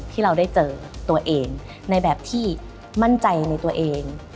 ที่เราได้เจอตัวเองในแบบที่มั่นใจในตัวเอง